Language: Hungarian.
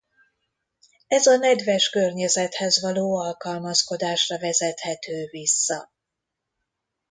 Ez a nedves környezethez való alkalmazkodásra vezethető vissza.